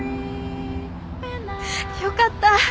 よかった。